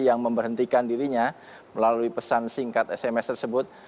yang memberhentikan dirinya melalui pesan singkat sms tersebut